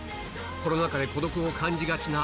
コロナ禍で孤独を感じがちな